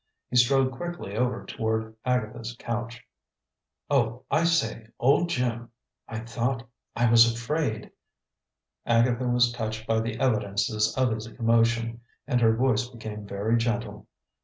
He strode quickly over toward Agatha's couch. "Oh, I say old Jim I thought, I was afraid " Agatha was touched by the evidences of his emotion, and her voice became very gentle.